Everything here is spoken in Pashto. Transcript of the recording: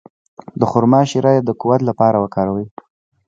د خرما شیره د قوت لپاره وکاروئ